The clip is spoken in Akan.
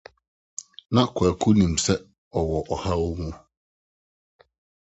Ná Kwaku nim sɛ ɔwɔ ɔhaw mu.